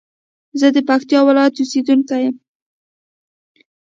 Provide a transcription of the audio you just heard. زه د پکتيا ولايت اوسېدونکى يم.